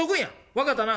分かったな？